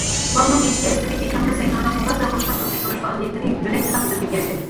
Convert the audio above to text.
باغنىڭ ئىچكىرىسىدىكى كەڭرى سەينادا خوراز ۋە قوچقار سوقۇشتۇرۇش پائالىيەتلىرى بۆلەكچىلا قىزىپ كەتكەنىدى.